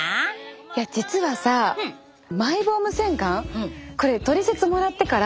いや実はさマイボーム洗顔これトリセツもらってからやったのね。